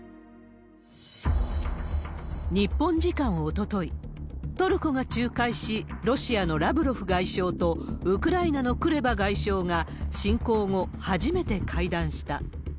日本時間おととい、トルコが仲介し、ロシアのラブロフ外相とウクライナのクレバ外相が、侵攻後初めて会談した。